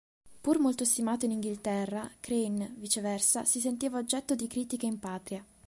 Pur molto stimato in Inghilterra, Crane, viceversa, si sentiva oggetto di critiche in patria.